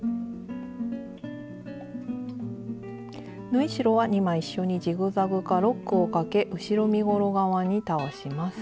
縫い代は２枚一緒にジグザグかロックをかけ後ろ身ごろ側に倒します。